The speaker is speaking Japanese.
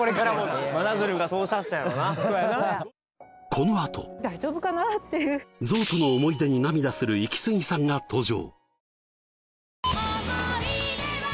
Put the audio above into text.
このあとゾウとの思い出に涙するイキスギさんが登場！